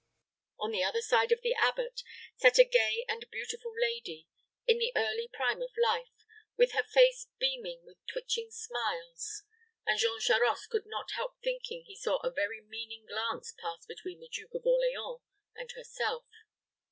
On the other side of the abbot sat a gay and beautiful lady, in the early prime of life, with her face beaming with witching smiles; and Jean Charost could not help thinking he saw a very meaning glance pass between the Duke of Orleans and herself.